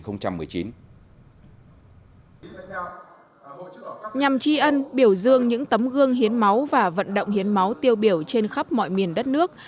nhằm tri ân biểu dương những tấm gương hiến máu và vận động hiến máu tiêu biểu trên khắp mọi miền đất nước